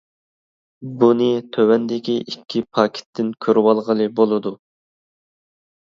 بۇنى تۆۋەندىكى ئىككى پاكىتتىن كۆرۈۋالغىلى بولىدۇ.